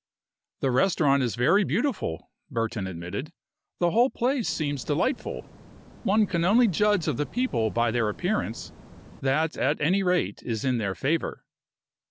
"The restaurant is very beautiful," Burton admitted. "The whole place seems delightful. One can only judge of the people by their appearance. That, at any rate, is in their favor."